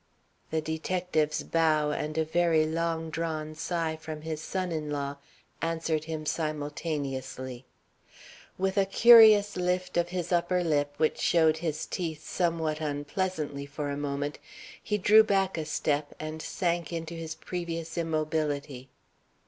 The detective's bow and a very long drawn sigh from his son in law answered him simultaneously. With a curious lift of his upper lip, which showed his teeth somewhat unpleasantly for a moment, he drew back a step, and sank into his previous immobility.